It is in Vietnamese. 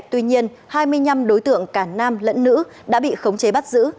tuy nhiên hai mươi năm đối tượng cả nam lẫn nữ đã bị khống chế bắt giữ